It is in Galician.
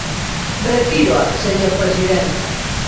Retíroa, señor presidente.